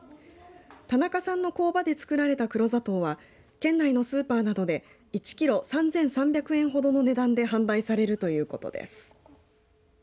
田中さんの工場で作られた黒砂糖は県内のスーパーなどで１キロ３３００円ほどの値段で販売されるということです。